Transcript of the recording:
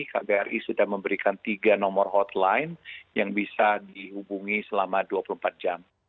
kbri sudah memberikan tiga nomor hotline yang bisa dihubungi selama dua puluh empat jam